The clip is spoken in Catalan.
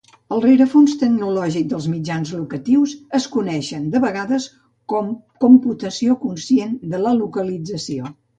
El rerefons tecnològic dels mitjans locatius es coneixen de vegades com "computació conscient de la localització".